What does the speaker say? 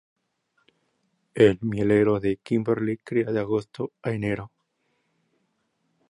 El mielero de Kimberley cría de agosto a enero.